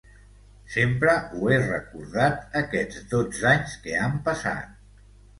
Sempre ho he recordat aquests dotze anys que han passat.